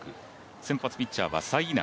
先発ピッチャーは柴イ楠。